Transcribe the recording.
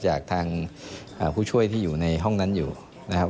จากทางผู้ช่วยที่อยู่ในห้องนั้นอยู่นะครับ